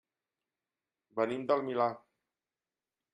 Venim del Milà.